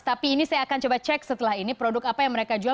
tapi ini saya akan coba cek setelah ini produk apa yang mereka jual